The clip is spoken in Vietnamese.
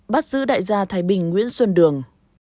bắt giữ đại gia thái bình nguyễn xuân đường